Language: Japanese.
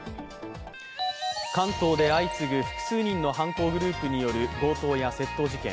関東で相次ぐ複数人の犯行グループによる強盗や窃盗事件。